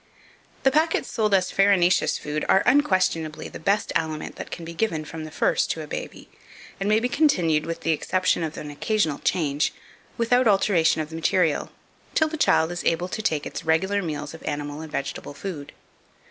2502. The packets sold as farinaceous food are unquestionably the best aliment that can be given from the first to a baby, and may be continued, with the exception of an occasional change, without alteration of the material, till the child is able to take its regular meals of animal and vegetable food.